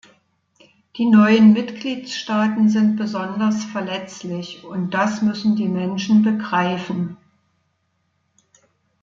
Die neuen Mitgliedstaaten sind besonders verletzlich, und das müssen die Menschen begreifen.